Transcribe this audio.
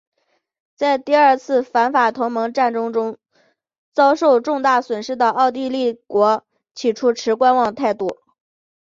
在第二次反法同盟战争中遭受重大损失的奥地利帝国起初持观望态度。